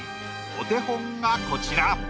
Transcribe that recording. お手本がこちら。